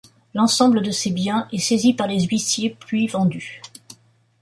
L'ensemble de ces biens est saisi par les huissiers puis vendu.